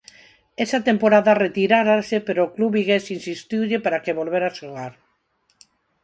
Esa temporada retirárase, pero o club vigués insistiulle para que volvera xogar.